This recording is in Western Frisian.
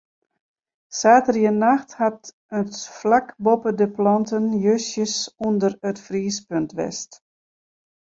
Saterdeitenacht hat it flak boppe de planten justjes ûnder it friespunt west.